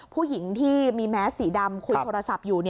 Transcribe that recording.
ผู้หญิงที่มีแมสสีดำคุยโทรศัพท์อยู่